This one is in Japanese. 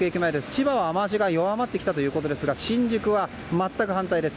千葉は雨脚が弱まってきたということですが新宿は全く反対です。